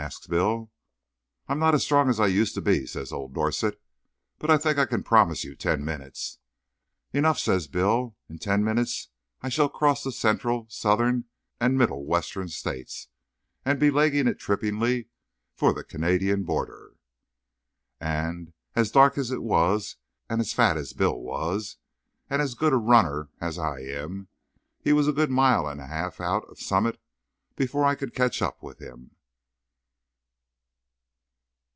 asks Bill. "I'm not as strong as I used to be," says old Dorset, "but I think I can promise you ten minutes." "Enough," says Bill. "In ten minutes I shall cross the Central, Southern and Middle Western States, and be legging it trippingly for the Canadian border." And, as dark as it was, and as fat as Bill was, and as good a runner as I am, he was a good mile and a half out of Summit before I could catch up with him.